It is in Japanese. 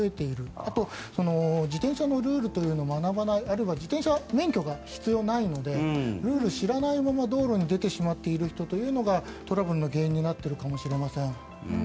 あと、自転車のルールを学ばないあるいは自転車は免許が必要ないのでルールを知らないまま道路に出てしまっている人というのがトラブルの原因になっているかもしれません。